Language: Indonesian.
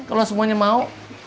kalau semuanya mau